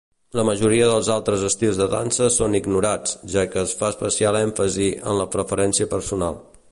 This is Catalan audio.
La majoria dels altres estils de dansa són ignorats, ja que es fa especial èmfasi en la preferència personal.